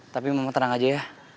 tapi memang tenang aja ya